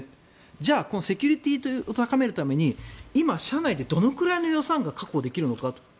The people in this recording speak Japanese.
じゃあこのセキュリティーを高めるために今、社内でどれぐらいの財源が確保できるのかと。